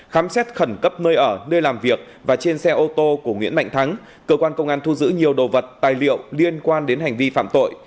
khám xét khẩn cấp nơi ở nơi làm việc và trên xe ô tô của nguyễn mạnh thắng cơ quan công an thu giữ nhiều đồ vật tài liệu liên quan đến hành vi phạm tội